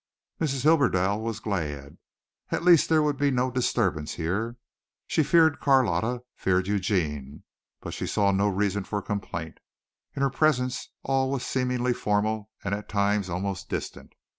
Mrs. Hibberdell was glad. At least there would be no disturbance here. She feared Carlotta, feared Eugene, but she saw no reason for complaint. In her presence all was seemingly formal and at times almost distant.